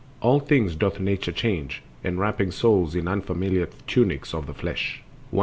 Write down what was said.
All things doth Nature change, enwrapping souls In unfamiliar tunics of the flesh. 127.